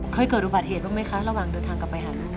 เคยเกิดอุบัติเหตุบ้างไหมคะระหว่างเดินทางกลับไปหาลูก